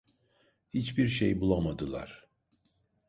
Hiçbir şey bulamadılar.